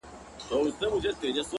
• مخ ځيني اړومه،